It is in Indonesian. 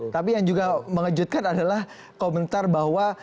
tapi yang juga mengejutkan adalah komentar bahwa